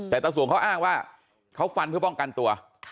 แต่ตาสวงเขาอ้างว่าเขาฟันเพื่อป้องกันตัว